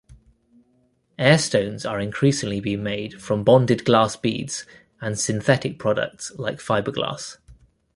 Airstones are increasingly being made from bonded glass beads and synthetic products like fiberglass.